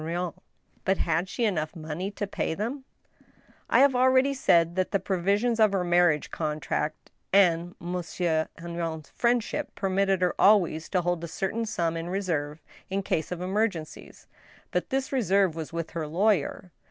Henrion. ,' But had she enough money to pay them ? I have already said that the provisions of her marriage contract and Monsieur Henrion's friendship permitted her always to hold a certain sum in reserve in case of emergencies ; but this reserve was with her lawyer.